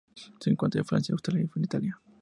Se encuentra en Francia, Austria y en Italia.